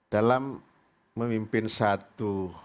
dalam memimpin satu